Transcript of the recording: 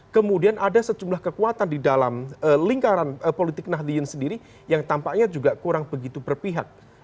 kemudian ada sejumlah kekuatan di dalam lingkaran politik nahdliyin sendiri yang tampaknya juga kurang begitu berpihak